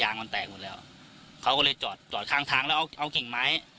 มันแตกหมดแล้วเขาก็เลยจอดจอดข้างทางแล้วเอาเอากิ่งไม้